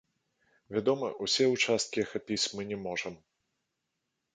Вядома, усе ўчасткі ахапіць мы не можам.